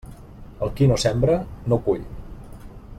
El qui no sembra, no cull.